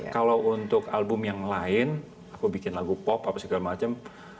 kalau untuk album yang lain aku bikin lagu pop apa segala macam